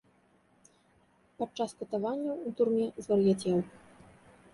Падчас катаванняў у турме звар'яцеў.